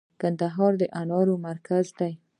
کندهار د انارو مرکز دی